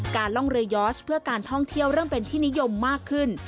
ล่องเรือยอร์สเพื่อการท่องเที่ยวเริ่มเป็นที่นิยมมากขึ้น